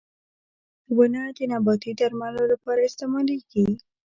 • ونه د نباتي درملو لپاره استعمالېږي.